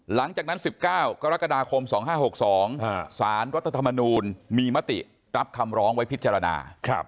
หลังจากนั้น๑๙กรกฎาคม๒๕๖๒สารรัฐธรรมนูลมีมติรับคำร้องไว้พิจารณา